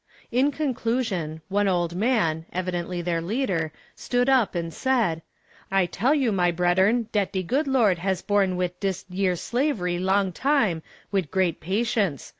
In conclusion, one old man, evidently their leader, stood up and said: "I tell you, my breddern, dat de good Lord has borne wid dis yere slav'ry long time wid great patience.